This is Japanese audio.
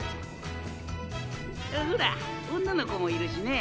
ほら女の子もいるしね。